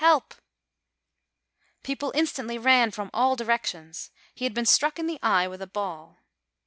help !" People instantly ran from all directions. He had been struck in the eye with a ball.